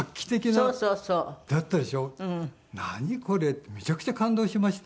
これってめちゃくちゃ感動しまして。